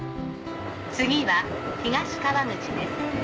次は東川口です。